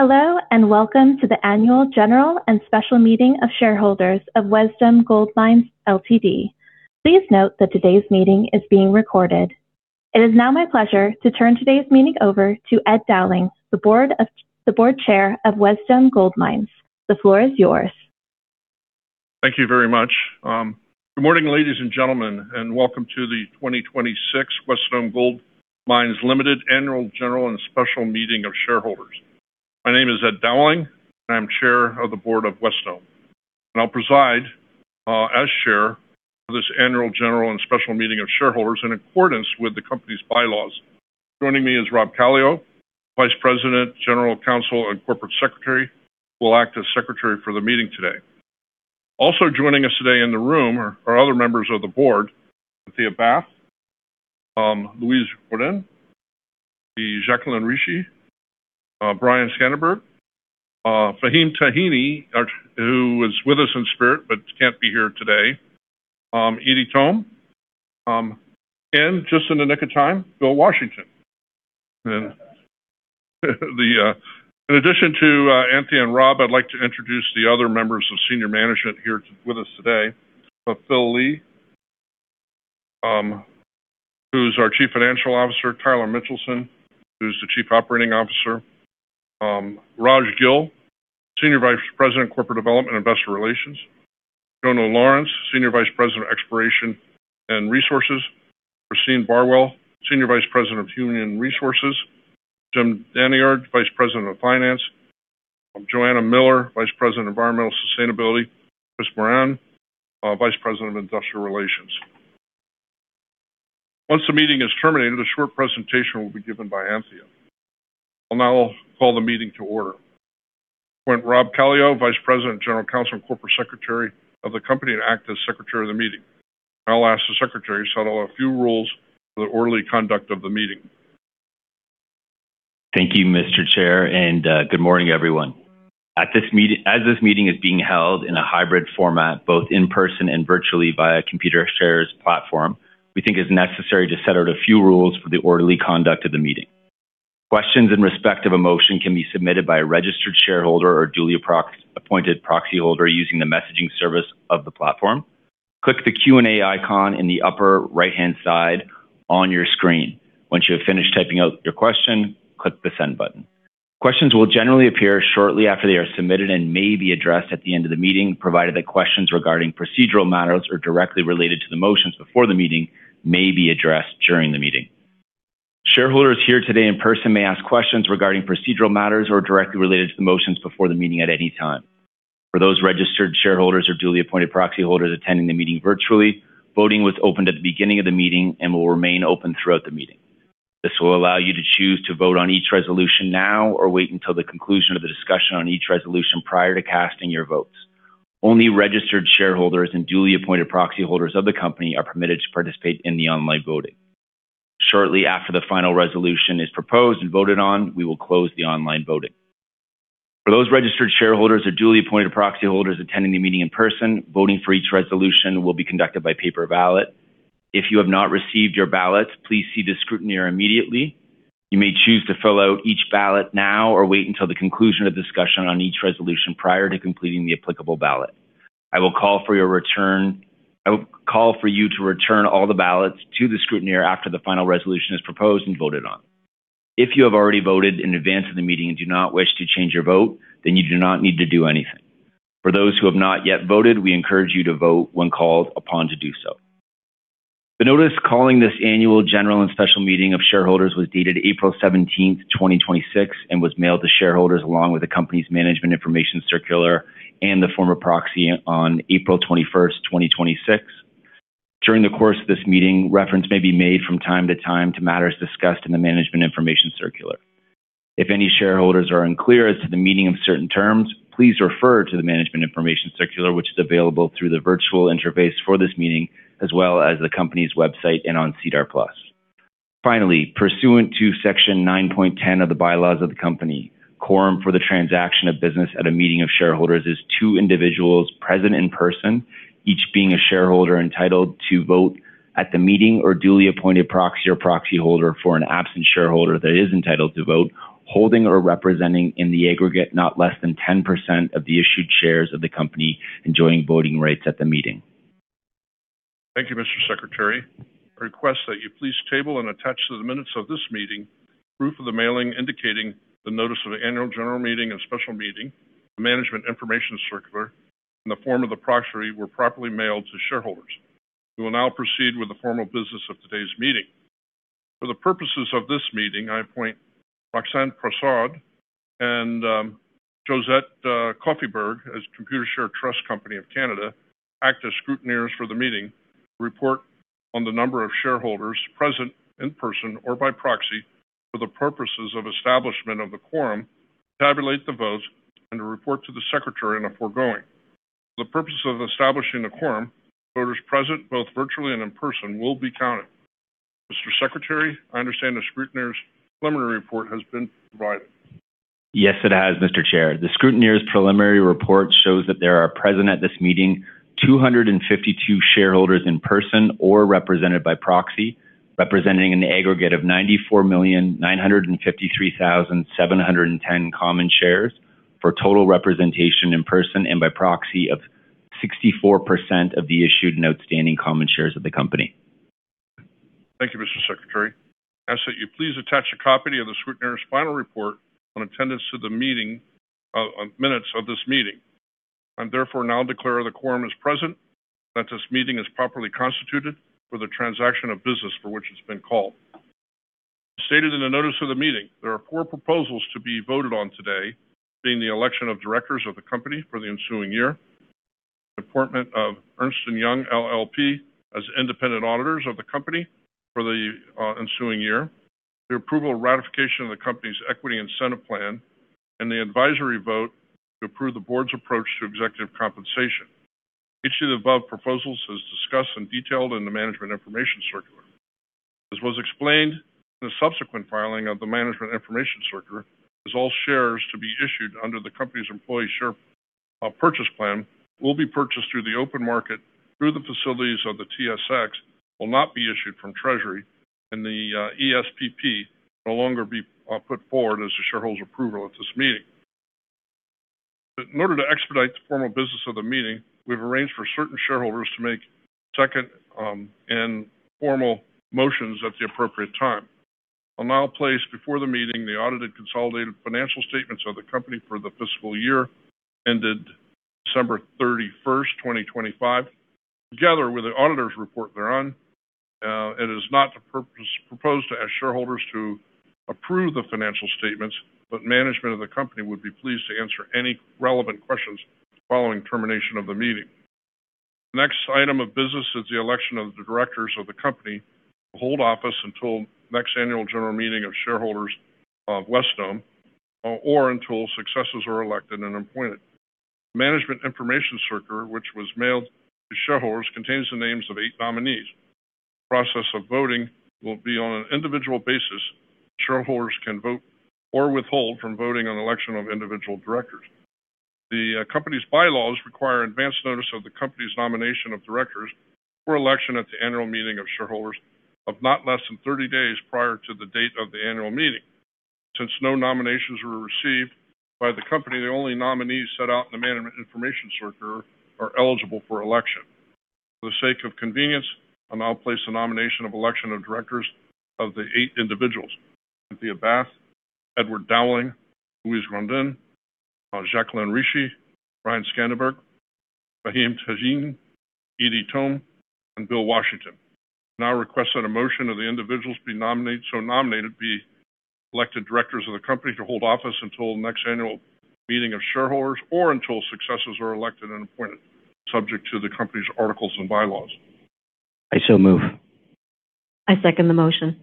Hello, and welcome to the Annual General and Special Meeting of Shareholders of Wesdome Gold Mines Ltd. Please note that today's meeting is being recorded. It is now my pleasure to turn today's meeting over to Ed Dowling, the Board Chair of Wesdome Gold Mines. The floor is yours. Thank you very much. Good morning, ladies and gentlemen, and welcome to the 2026 Wesdome Gold Mines Limited Annual General and Special Meeting of Shareholders. My name is Ed Dowling. I'm Chair of the Board of Wesdome, and I'll preside as Chair of this Annual General and Special Meeting of Shareholders in accordance with the company's bylaws. Joining me is Rob Kallio, Vice President, General Counsel, and Corporate Secretary, who will act as Secretary for the meeting today. Also joining us today in the room are other members of the Board, Anthea Bath, Louise Grondin, Jacqueline Ricci, Brian Skanderbeg, Faheem Tejani, who is with us in spirit but can't be here today, Edie Thome, and just in the nick of time, Bill Washington. In addition to Anthea and Rob, I'd like to introduce the other members of senior management here with us today. Phil Lee, who's our Chief Financial Officer, Tyler Mitchelson, who's the Chief Operating Officer, Raj Gill, Senior Vice President of Corporate Development, Investor Relations, Jono Lawrence, Senior Vice President of Exploration and Resources, Christine Barwell, Senior Vice President of Human Resources, Jim Dainard, Vice President of Finance, Joanna Miller, Vice President of Environmental Sustainability, Trish Moran, Vice President of Investor Relations. Once the meeting is terminated, a short presentation will be given by Anthea. I'll now call the meeting to order. I appoint Rob Kallio, Vice President, General Counsel, and Corporate Secretary of the company, to act as Secretary of the meeting. I'll ask the Secretary to set out a few rules for the orderly conduct of the meeting. Thank you, Mr. Chair, and good morning, everyone. As this meeting is being held in a hybrid format, both in person and virtually via Computershare's platform, we think it's necessary to set out a few rules for the orderly conduct of the meeting. Questions in respect of a motion can be submitted by a registered shareholder or duly appointed proxyholder using the messaging service of the platform. Click the Q&A icon in the upper right-hand side on your screen. Once you have finished typing out your question, click the send button. Questions will generally appear shortly after they are submitted and may be addressed at the end of the meeting, provided that questions regarding procedural matters or directly related to the motions before the meeting may be addressed during the meeting. Shareholders here today in person may ask questions regarding procedural matters or directly related to the motions before the meeting at any time. For those registered shareholders or duly appointed proxyholders attending the meeting virtually, voting was opened at the beginning of the meeting and will remain open throughout the meeting. This will allow you to choose to vote on each resolution now or wait until the conclusion of the discussion on each resolution prior to casting your votes. Only registered shareholders and duly appointed proxyholders of the company are permitted to participate in the online voting. Shortly after the final resolution is proposed and voted on, we will close the online voting. For those registered shareholders or duly appointed proxyholders attending the meeting in person, voting for each resolution will be conducted by paper ballot. If you have not received your ballots, please see the scrutineer immediately. You may choose to fill out each ballot now or wait until the conclusion of discussion on each resolution prior to completing the applicable ballot. I will call for you to return all the ballots to the scrutineer after the final resolution is proposed and voted on. If you have already voted in advance of the meeting and do not wish to change your vote, then you do not need to do anything. For those who have not yet voted, we encourage you to vote when called upon to do so. The notice calling this Annual General and Special Meeting of shareholders was dated April 17th, 2026, and was mailed to shareholders along with the company's management information circular and the form of proxy on April 21st, 2026. During the course of this meeting, reference may be made from time-to-time to matters discussed in the management information circular. If any shareholders are unclear as to the meaning of certain terms, please refer to the management information circular, which is available through the virtual interface for this meeting, as well as the company's website and on SEDAR+. Finally, pursuant to Section 9.10 of the bylaws of the company, quorum for the transaction of business at a meeting of shareholders is two individuals present in person, each being a shareholder entitled to vote at the meeting or duly appointed proxy or proxyholder for an absent shareholder that is entitled to vote, holding or representing in the aggregate not less than 10% of the issued shares of the company enjoying voting rights at the meeting. Thank you, Mr. Secretary. I request that you please table and attach to the minutes of this meeting proof of the mailing indicating the notice of annual general meeting and special meeting, the management information circular, and the form of the proxy were properly mailed to shareholders. We will now proceed with the formal business of today's meeting. For the purposes of this meeting, I appoint Roxanne Prasad and Josette Koffyberg as Computershare Trust Company of Canada act as scrutineers for the meeting to report on the number of shareholders present in person or by proxy for the purposes of establishment of the quorum, tabulate the votes, and to report to the secretary on aforementioned. For the purpose of establishing a quorum, voters present both virtually and in person will be counted. Mr. Secretary, I understand the scrutineer's preliminary report has been provided. Yes, it has, Mr. Chair. The scrutineer's preliminary report shows that there are present at this meeting 252 shareholders in person or represented by proxy, representing an aggregate of 94,953,710 common shares for total representation in person and by proxy of 64% of the issued and outstanding common shares of the company. Thank you, Mr. Secretary. I ask that you please attach a copy of the scrutineer's final report on attendance to the minutes of this meeting. I therefore now declare the quorum is present, that this meeting is properly constituted for the transaction of business for which it's been called. Stated in the notice of the meeting, there are four proposals to be voted on today, being the election of Directors of the company for the ensuing year, the appointment of Ernst & Young LLP as independent auditors of the company for the ensuing year, the approval and ratification of the company's equity incentive plan, and the advisory vote to approve the Board's approach to executive compensation. Each of the above proposals is discussed and detailed in the management information circular. As was explained in the subsequent filing of the management information circular, as all shares to be issued under the company's employee stock purchase plan will be purchased through the open market through the facilities of the TSX, will not be issued from Treasury, and the ESPP will no longer be put forward as a shareholders approval at this meeting. In order to expedite the formal business of the meeting, we've arranged for certain shareholders to make second and formal motions at the appropriate time. I'll now place before the meeting the audited consolidated financial statements of the company for the fiscal year ended December 31st, 2025, together with the auditor's report thereon. It is not proposed as shareholders to approve the financial statements, management of the company would be pleased to answer any relevant questions following termination of the meeting. The next item of business is the election of the Directors of the company to hold office until the next Annual General Meeting of Shareholders of Wesdome or until successors are elected and appointed. management information circular, which was mailed to shareholders, contains the names of eight nominees. Process of voting will be on an individual basis. Shareholders can vote or withhold from voting on election of individual Directors. The company's bylaws require advance notice of the company's nomination of Directors for election at the Annual Meeting of Shareholders of not less than 30 days prior to the date of the Annual Meeting. Since no nominations were received by the company, the only nominees set out in the management information circular are eligible for election. For the sake of convenience, I'll now place the nomination of election of Directors of the eight individuals, Anthea Bath, Edward Dowling, Louise Grondin, Jacqueline Ricci, Brian Skanderbeg, Faheem Tejani, Edie Thome, and Bill Washington. Now request that a motion of the individuals so nominated be elected directors of the company to hold office until the next annual meeting of shareholders or until successors are elected and appointed, subject to the company's articles and bylaws. I so move. I second the motion.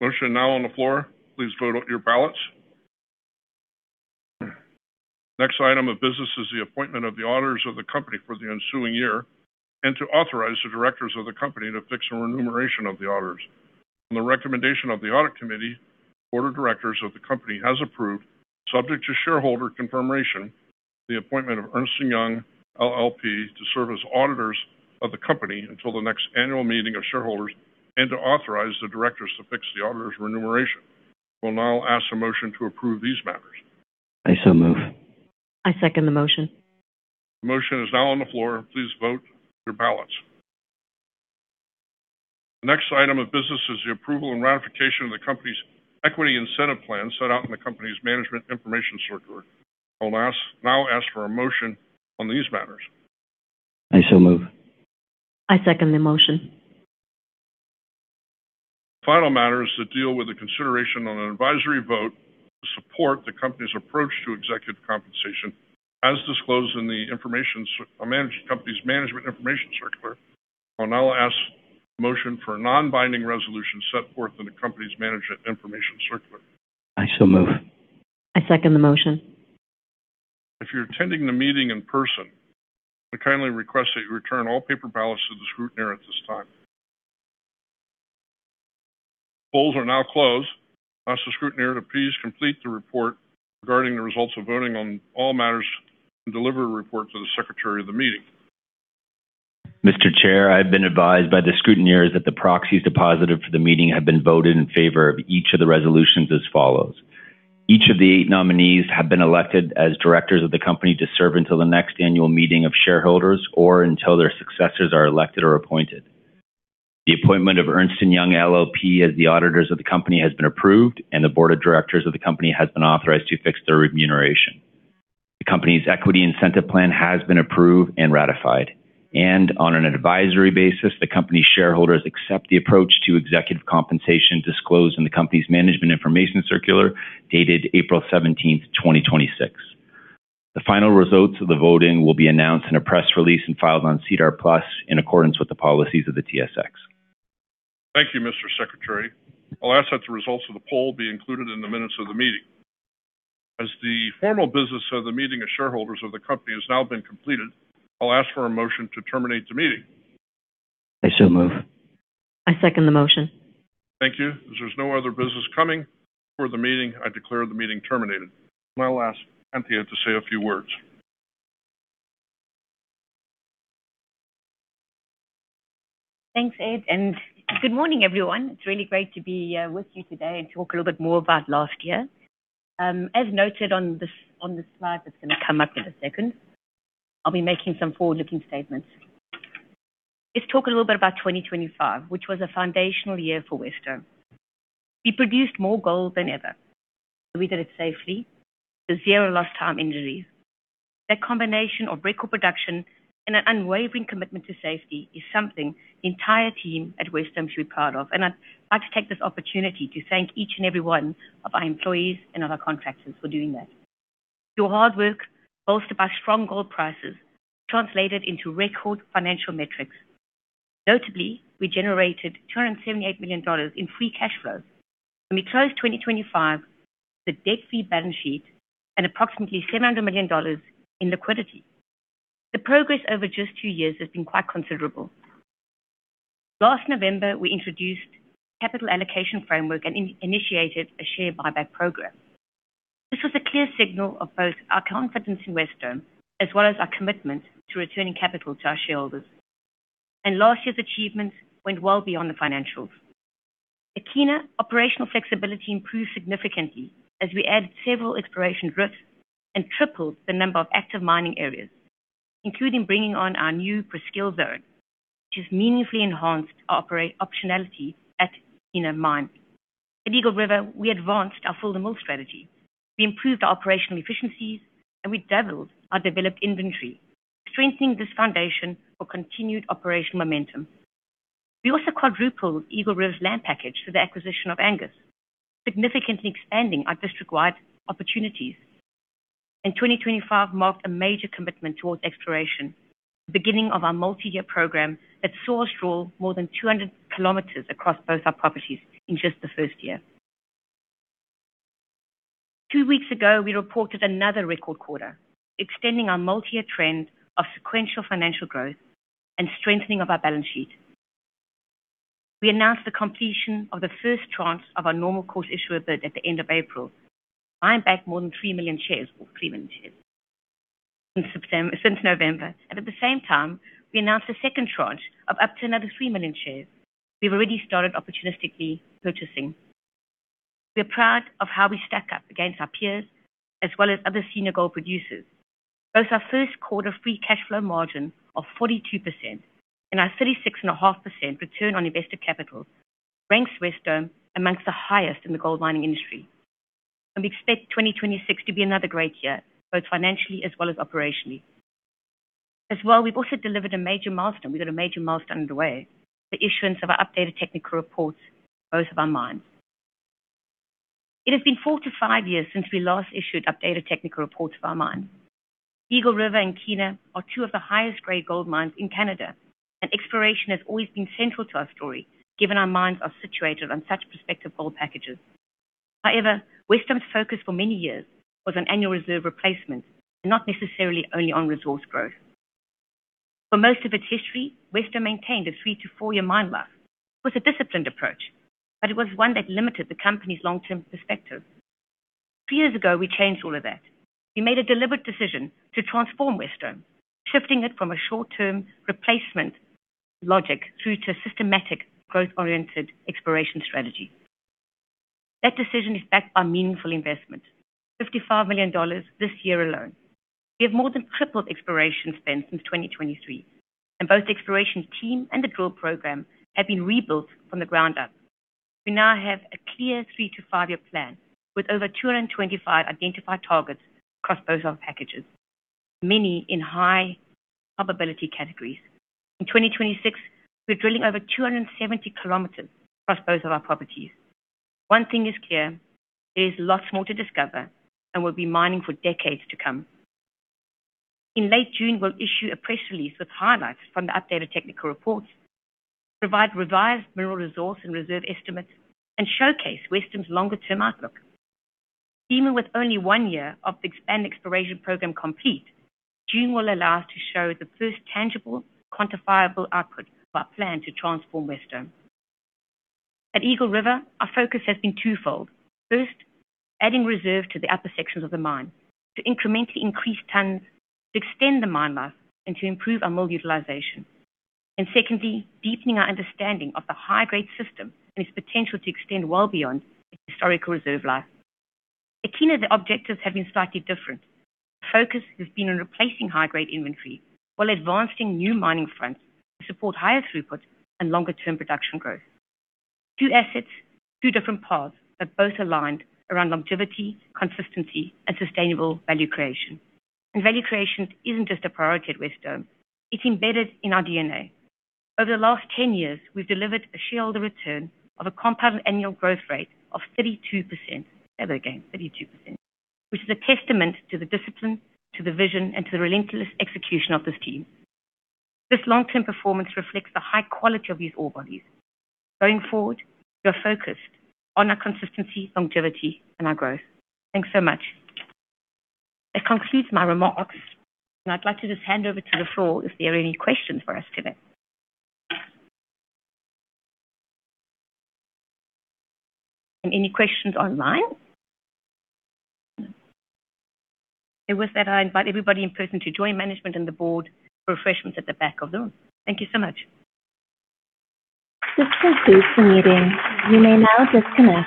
Motion now on the floor. Please vote on your ballots. Next item of business is the appointment of the auditors of the company for the ensuing year and to authorize the Directors of the company to fix remuneration of the auditors. On the recommendation of the audit committee, Board of Directors of the company has approved, subject to shareholder confirmation, the appointment of Ernst & Young LLP to serve as auditors of the company until the next annual meeting of shareholders and to authorize the Directors to fix the auditor's remuneration. We'll now ask a motion to approve these matters. I so move. I second the motion. The motion is now on the floor. Please vote with your ballots. The next item of business is the approval and ratification of the company's equity incentive plan set out in the company's management information circular. I will now ask for a motion on these matters. I so move. I second the motion. Final matter is to deal with the consideration on an advisory vote to support the company's approach to executive compensation as disclosed in the company's management information circular. I'll now ask motion for a non-binding resolution set forth in the company's management information circular. I so move. I second the motion. If you're attending the meeting in person, I kindly request that you return all paper ballots to the scrutineer at this time. Polls are now closed. Ask the scrutineer to please complete the report regarding the results of voting on all matters and deliver a report to the secretary of the meeting. Mr. Chair, I've been advised by the scrutineers that the proxies deposited for the meeting have been voted in favor of each of the resolutions as follows. Each of the eight nominees have been elected as Directors of the company to serve until the next Annual Meeting of Shareholders or until their successors are elected or appointed. The appointment of Ernst & Young LLP as the auditors of the company has been approved, and the Board of Directors of the company has been authorized to fix their remuneration. The company's equity incentive plan has been approved and ratified. On an advisory basis, the company's shareholders accept the approach to executive compensation disclosed in the company's management information circular dated April 17th, 2026. The final results of the voting will be announced in a press release and filed on SEDAR+ in accordance with the policies of the TSX. Thank you, Mr. Secretary. I'll ask that the results of the poll be included in the minutes of the meeting. As the formal business of the meeting of shareholders of the company has now been completed, I'll ask for a motion to terminate the meeting. I so move. I second the motion. Thank you. As there's no other business coming before the meeting, I declare the meeting terminated. I will ask Anthea to say a few words. Thanks, Ed, and good morning, everyone. It's really great to be with you today and talk a little bit more about last year. As noted on the slide that's going to come up in a second, I'll be making some forward-looking statements. Let's talk a little bit about 2025, which was a foundational year for Wesdome. We produced more gold than ever. We did it safely with zero lost time injuries. That combination of record production and an unwavering commitment to safety is something the entire team at Wesdome is really proud of, and I'd like to take this opportunity to thank each and every one of our employees and our contractors for doing that. Your hard work, bolstered by strong gold prices, translated into record financial metrics. Notably, we generated 278 million dollars in free cash flow and returned 2025 with a debt-free balance sheet and approximately 700 million dollars in liquidity. The progress over just two years has been quite considerable. Last November, we introduced a capital allocation framework that initiated a share buyback program. This was a clear signal of both our confidence in Wesdome as well as our commitment to returning capital to our shareholders. Last year's achievements went well beyond the financials. At Kiena, operational flexibility improved significantly as we added several exploration grids and tripled the number of active mining areas, including bringing on our new Presqu'île Zone, which has meaningfully enhanced our operationality at Kiena Mine. At Eagle River, we advanced our fill-the-mill strategy. We improved our operational efficiencies, and we doubled our developed inventory, strengthening this foundation for continued operation momentum. We also quadrupled Eagle River's land package through the acquisition of Angus, significantly expanding our discovery opportunities. 2025 marked a major commitment towards exploration, the beginning of our multi-year program that saw us drill more than 200 kilometers across both our properties in just the first year. Two weeks ago, we reported another record quarter, extending our multi-year trend of sequential financial growth and strengthening of our balance sheet. We announced the completion of the first tranche of our normal course issuer bid at the end of April, buying back more than 3 million shares. Since November, at the same time, we announced the second tranche of up to another 3 million shares we've already started opportunistically purchasing. We're proud of how we stack up against our peers as well as other senior gold producers. Both our first quarter free cash flow margin of 42% and our 36.5% return on invested capital ranks Wesdome amongst the highest in the gold mining industry. We expect 2026 to be another great year, both financially as well as operationally. As well, we've also delivered a major milestone on the way, the issuance of our updated technical reports for both of our mines. It has been four to five years since we last issued updated technical reports of our mines. Eagle River and Kiena are two of the highest-grade gold mines in Canada, and exploration has always been central to our story given our mines are situated on such prospective gold packages. However, Wesdome's focus for many years was on annual reserve replacement and not necessarily early on resource growth. For most of its history, Wesdome maintained a three to four-year mine life with a disciplined approach, but it was one that limited the company's long-term perspective. Two years ago, we changed all of that. We made a deliberate decision to transform Wesdome, shifting it from a short-term replacement logic to a systematic growth-oriented exploration strategy. That decision is backed by meaningful investment, 55 million dollars this year alone. We have more than tripled exploration spend since 2023, and both the exploration team and the drill program have been rebuilt from the ground up. We now have a clear three to five-year plan with over 225 identified targets across both our packages, many in high probability categories. In 2026, we're drilling over 270 km across both of our properties. One thing is clear, there's lots more to discover and we'll be mining for decades to come. In late June, we'll issue a press release with highlights from the updated technical reports, provide revised mineral resource and reserve estimates, and showcase Wesdome's longer-term outlook. Even with only one year of the expanded exploration program complete, June will allow us to show the first tangible, quantifiable output of our plan to transform Wesdome. At Eagle River, our focus has been twofold. First, adding reserve to the upper sections of the mine to incrementally increase tonnage, extend the mine life, and to improve our ore utilization. Secondly, deepening our understanding of the high-grade system and its potential to extend well beyond its historical reserve life. At Kiena, the objectives have been slightly different. The focus has been on replacing high-grade inventory while advancing new mining fronts to support higher throughputs and longer-term production growth. Two assets, two different paths, but both aligned around longevity, consistency, and sustainable value creation. Value creation isn't just a priority at Wesdome. It's embedded in our DNA. Over the last 10 years, we've delivered a shareholder return of a compound annual growth rate of 32%. Say that again, 32%. Which is a testament to the discipline, to the vision, and to the relentless execution of this team. This long-term performance reflects the high quality of these ore bodies. Going forward, we are focused on our consistency, longevity, and our growth. Thanks so much. That concludes my remarks, and I'd like to just hand over to the floor if there are any questions for us today. Any questions online? With that, I invite everybody in person to join management and the Board for refreshments at the back of the room. Thank you so much. This concludes the meeting. You may now disconnect.